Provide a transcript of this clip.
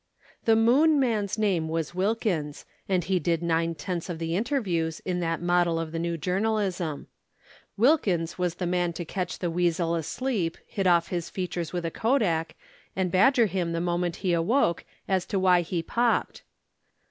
The Moon man's name was Wilkins, and he did nine tenths of the interviews in that model of the new journalism. Wilkins was the man to catch the weasel asleep, hit off his features with a kodak, and badger him the moment he awoke as to why he popped.